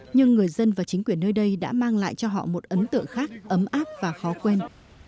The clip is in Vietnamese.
nhưng người dân và chính quyền nơi đây đã mang lại cho họ một ấn tượng khác ấm áp và khó quên